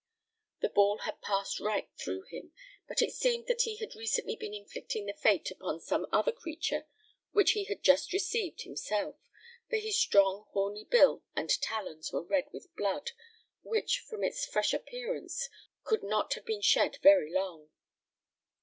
The ball had passed right through him; but it seemed that he had recently been inflicting the fate upon some other creature which he had just received himself, for his strong horny bill and talons were red with blood, which, from its fresh appearance, could not have been shed very long.